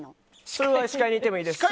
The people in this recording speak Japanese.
それは視界にいてもいいですし。